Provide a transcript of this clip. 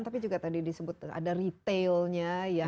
tapi juga tadi disebut ada retailnya